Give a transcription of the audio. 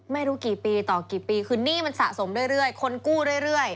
ไม่รู้กี่ปีต่อกี่ปีคือหนี้มันสะสมเรื่อยคนกู้เรื่อย